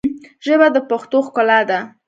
ژبه د پښتو ښکلا ده